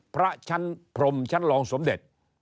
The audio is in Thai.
พระชั้นพรมชั้นรองสมเด็จ